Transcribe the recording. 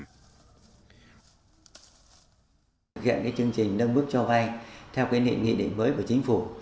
thực hiện chương trình nâng mức cho vay theo nghị định mới của chính phủ